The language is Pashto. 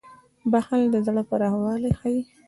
• بښل د زړه پراخوالی ښيي.